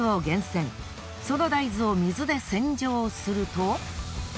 その大豆を水で洗浄すると。